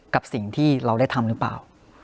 กับสิ่งที่เราได้ทำหรือเปล่า